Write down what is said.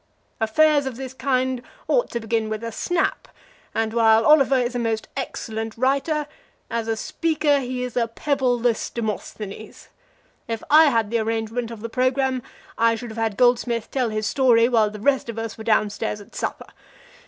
Affairs of this kind ought to begin with a snap, and while Oliver is a most excellent writer, as a speaker he is a pebbleless Demosthenes. If I had had the arrangement of the programme I should have had Goldsmith tell his story while the rest of us were down stairs at supper.